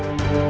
tapi ada itu